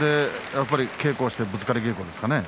やっぱり稽古をしてぶつかり稽古ですね。